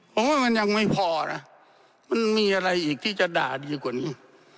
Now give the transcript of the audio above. ผมว่ามันยังไม่พอนะมันมีอะไรอีกที่จะด่าดีกว่านี้